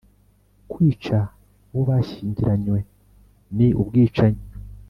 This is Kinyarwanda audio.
Kwica uwo bashyingiranywe ni ubwicanyi